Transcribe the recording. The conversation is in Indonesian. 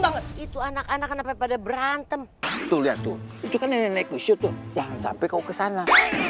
banget itu anak anaknya pada berantem tuh lihat tuh itu kan enak itu jangan sampai kau kesana